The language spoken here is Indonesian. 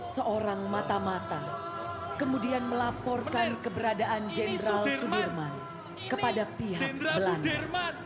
seorang mata mata kemudian melaporkan keberadaan jenderal sudirman kepada pihak belanda